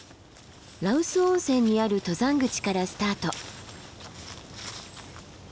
羅臼温泉にある登山口からスタート。